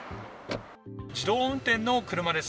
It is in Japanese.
自動運転の車です。